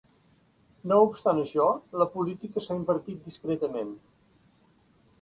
No obstant això, la política s'ha invertit discretament.